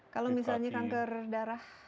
kalau misalnya kanker darah